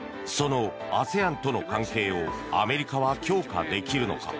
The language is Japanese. そのＡＳＥＡＮとの関係をアメリカは強化できるのか。